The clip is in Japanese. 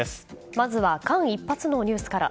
まずは間一髪のニュースから。